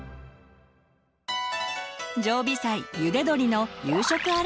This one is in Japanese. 常備菜「ゆで鶏」の夕食アレンジ！